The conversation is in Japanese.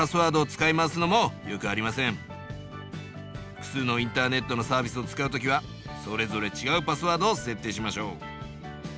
複数のインターネットのサービスを使う時はそれぞれちがうパスワードを設定しましょう。